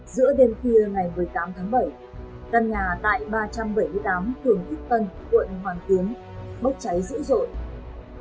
giữa đêm kia ngày một mươi tám tháng bảy căn nhà tại ba trăm bảy mươi tám thường thuyết tân quận hoàn kiến bốc cháy dữ dội